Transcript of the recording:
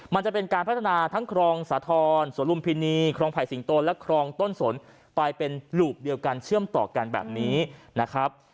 มันจะเป็นการพัฒนาทั้งครองสาธรณ์สวนลุมพินีครองไผ่สิงโตและครองต้นสนไปเป็นหลูบเดียวกันเชื่อมต่อกันแบบนี้นะครับ